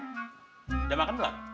udah makan belum